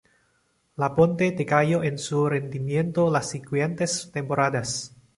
Labonte decayó en su rendimiento las siguientes temporadas.